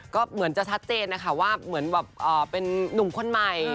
ก็เหมือนจะชัดเจนนะคะว่าเหมือนแบบเป็นนุ่มคนใหม่